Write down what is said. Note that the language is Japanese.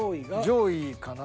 上位かな。